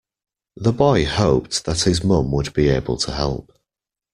The boy hoped that his mum would be able to help